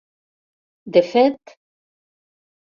De fet...